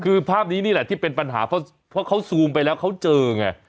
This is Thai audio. คือภาพนี้นี่แหละที่เป็นปัญหาเพราะเขาซูมไปแล้วเขาเจอไง